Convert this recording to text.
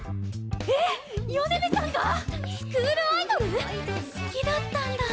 ⁉えっ米女さんが⁉スクールアイドル⁉好きだったんだ！